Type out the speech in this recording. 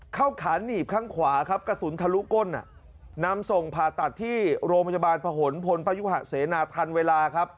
เข้าขานหนีบข้างขวากระสุนทะลุก้นนำส่งผ่าตัดที่โรงพยาบาลผนผลประยุหาเสนาทันเวลา